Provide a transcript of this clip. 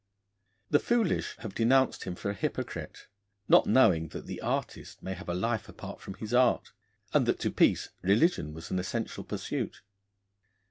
The foolish have denounced him for a hypocrite, not knowing that the artist may have a life apart from his art, and that to Peace religion was an essential pursuit.